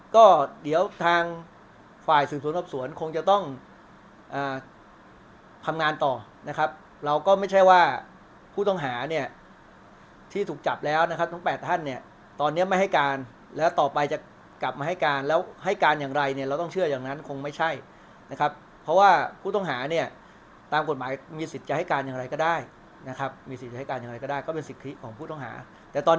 ก็เดี๋ยวทางฝ่ายสืบสวนรับสวนคงจะต้องอ่าทำงานต่อนะครับเราก็ไม่ใช่ว่าผู้ต้องหาเนี่ยที่ถูกจับแล้วนะครับทั้งแปดท่านเนี่ยตอนเนี้ยไม่ให้การแล้วต่อไปจะกลับมาให้การแล้วให้การอย่างไรเนี่ยเราต้องเชื่ออย่างนั้นคงไม่ใช่นะครับเพราะว่าผู้ต้องหาเนี่ยตามกฎหมายมีสิทธิ์จะให้การอย่างไรก็ได้นะครับมีสิท